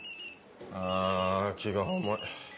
あ気が重い。